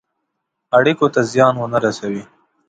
اړېکو ته زیان ونه رسوي.